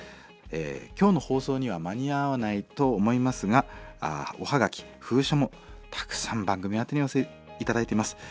今日の放送には間に合わないと思いますがおはがき封書もたくさん番組宛てにお寄せ頂いています。